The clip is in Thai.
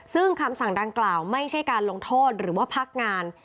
ซึ่งคำสั่งดังกล่าวไม่ใช่การลงโทษหรือว่าพักงาน